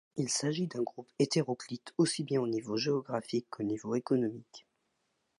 Il s'agit d'un groupe hétéroclite aussi bien au niveau géographique qu'au niveau économique.